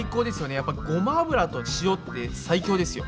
やっぱごま油と塩って最強ですよ。